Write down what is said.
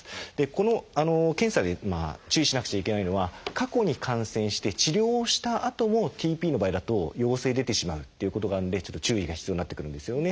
この検査で注意しなくちゃいけないのは過去に感染して治療をしたあともＴＰの場合だと陽性出てしまうということがあるのでちょっと注意が必要になってくるんですよね。